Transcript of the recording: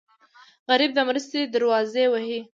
غریب د مرستې دروازه وهي